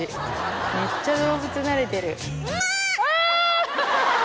めっちゃ動物なれてる。